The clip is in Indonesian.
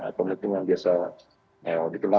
atau mungkin yang biasa dikenal